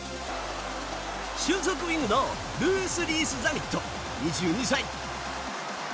俊足ウイングのルイス・リース・ザミット２２歳。